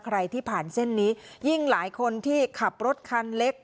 ใครที่ผ่านเส้นนี้ยิ่งหลายคนที่ขับรถคันเล็ก